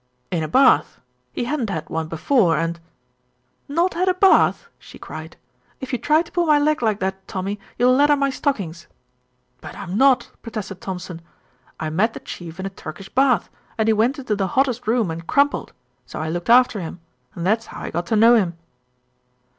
"In a bath. He hadn't had one before and " "Not had a bath!" she cried. "If you try to pull my leg like that, Tommy, you'll ladder my stockings." "But I'm not," protested Thompson. "I met the Chief in a Turkish bath, and he went into the hottest room and crumpled, so I looked after him, and that's how I got to know him."